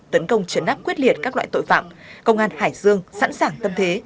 tấn công trấn áp quyết liệt các loại tội phạm công an hải dương sẵn sàng tâm thế